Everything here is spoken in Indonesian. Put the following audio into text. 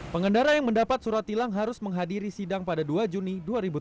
pengendara yang mendapat surat tilang harus menghadiri sidang pada dua juni dua ribu tujuh belas